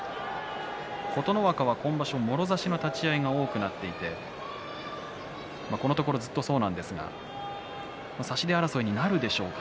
琴ノ若は今場所もろ差しの立ち合い多くなっていてこのところずっとそうなんですが差し手争いになるでしょうか。